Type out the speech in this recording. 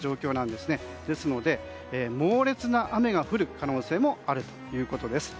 ですので、猛烈な雨が降る可能性もあるということです。